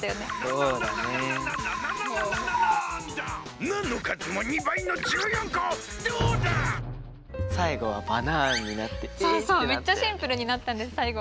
そうそうめっちゃシンプルになったんですさいご。